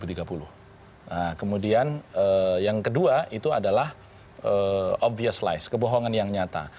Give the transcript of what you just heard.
nah kemudian yang kedua itu adalah obvious lies kebohongan yang nyata